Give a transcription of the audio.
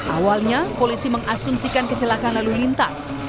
awalnya polisi mengasumsikan kecelakaan lalu lintas